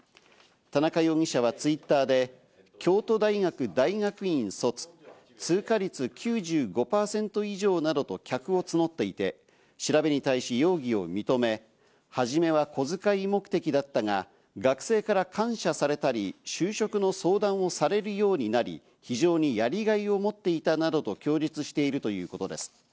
田中容疑者はＴｗｉｔｔｅｒで「京都大学大学院卒」、「通過率９５％以上」以上などと客を募っていて、調べに対し容疑を認め、はじめは小遣い目的だったが、学生から感謝されたり就職の相談をされるようになり、非常にやりがいを持っていったなどと、供述しているということです。